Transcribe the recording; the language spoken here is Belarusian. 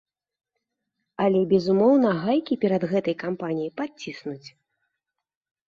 Але, безумоўна, гайкі перад гэтай кампаніяй падціснуць.